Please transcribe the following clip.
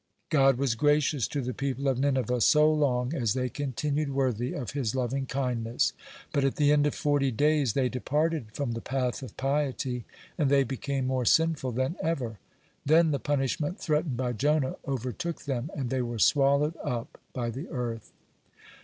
God was gracious to the people of Nineveh so long as they continued worthy of His lovingkindness. But at the end of forty days they departed from the path of piety, and they became more sinful than ever. Then the punishment threatened by Jonah overtook them, and they were swallowed up by the earth.